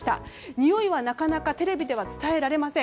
においは、なかなかテレビでは伝えられません。